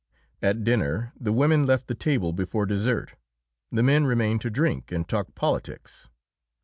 At dinner the women left the table before dessert; the men remained to drink and talk politics.